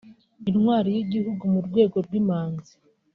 Intwari y’igihugu mu rwego rw’Imanzi